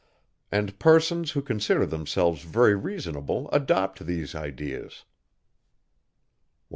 And persons, who consider themselves very reasonable, adopt these ideas! 103.